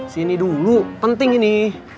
sini dulu penting ini